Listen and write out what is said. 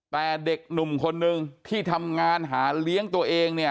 แต่เด็กหนุ่มคนนึงที่ทำงานหาเลี้ยงตัวเองเนี่ย